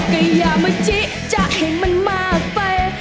ใครอยากมาจี้จะแฟนมากไป